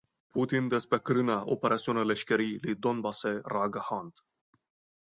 Putin destpêkirina operasyona leşkerî li Donbasê ragihand.